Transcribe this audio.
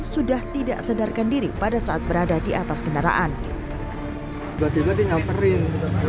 sudah tidak sedarkan diri pada saat berada di atas kendaraan berdiri berdiri nyamperin